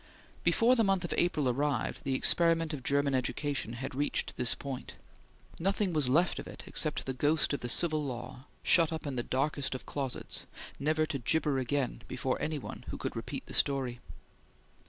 Before the month of April arrived, the experiment of German education had reached this point. Nothing was left of it except the ghost of the Civil Law shut up in the darkest of closets, never to gibber again before any one who could repeat the story.